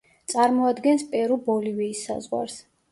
წარმოადგენს პერუ-ბოლივიის საზღვარს.